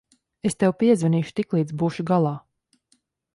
Es tev piezvanīšu, tiklīdz būšu galā.